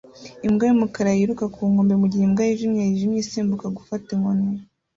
Imbwa y'umukara yiruka ku nkombe mugihe imbwa yijimye yijimye isimbuka gufata inkoni